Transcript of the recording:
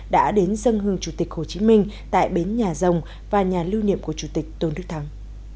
đã đến dân hương chủ tịch hồ chí minh tại bến nhà rồng và nhà lưu niệm của chủ tịch tôn đức thắng